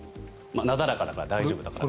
なだらかだから大丈夫だという。